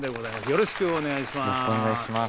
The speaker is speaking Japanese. よろしくお願いします。